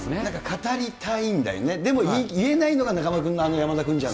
語りたいんだよね、でも言えないのが中丸君のあの山田君じゃない。